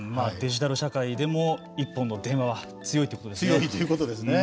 デジタル社会でも１本の電話は強いということですよね。